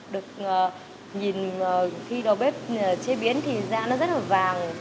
được nhìn khi đầu bếp chế biến thì ra nó rất là vàng